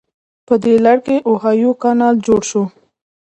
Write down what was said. په دې لړ کې اوهایو کانال جوړ شو.